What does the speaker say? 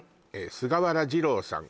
菅原治郎さん